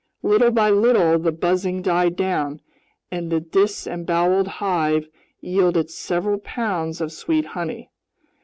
Little by little the buzzing died down and the disemboweled hive yielded several pounds of sweet honey.